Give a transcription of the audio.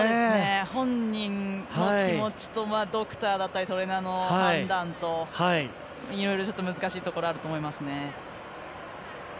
本人の気持ちとドクターだったりトレーナーの判断といろいろ難しいところあると思いますね。